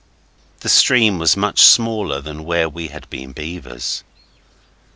The stream was much smaller than where we had been beavers.